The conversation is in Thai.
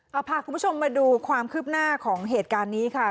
เอาพาคุณผู้ชมมาดูความคืบหน้าของเหตุการณ์นี้ค่ะ